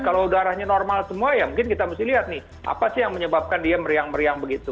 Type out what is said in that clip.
kalau udaranya normal semua ya mungkin kita mesti lihat nih apa sih yang menyebabkan dia meriang meriang begitu